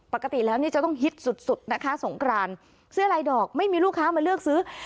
ปกติแล้วนี่จะต้องฮิตสุดสุดนะคะสงกรานเสื้อลายดอกไม่มีลูกค้ามาเลือกซื้อ